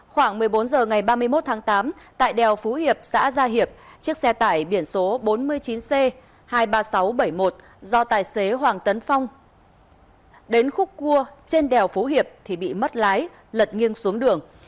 khoảng một mươi bốn h ngày ba mươi một tháng tám tại đèo phú hiệp xã gia hiệp chiếc xe tải biển số bốn mươi chín c hai mươi ba nghìn sáu trăm bảy mươi một do tài xế hoàng tấn phong đến khúc cua trên đèo phú hiệp thì bị mất lái lật nghiêng xuống đường